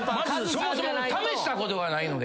そもそも試したことがないので。